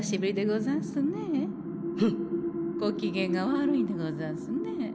ごきげんが悪いでござんすね。